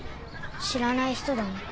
知らない人だもん。